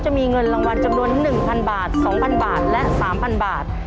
จะมีเงินรางวัลจำนวน๑๐๐บาท๒๐๐บาทและ๓๐๐บาท